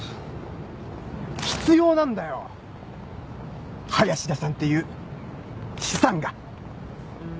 必要なんだよ林田さんっていう資産が。